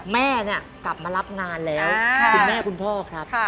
แม่เนี่ยกลับมารับงานแล้วคุณแม่คุณพ่อครับ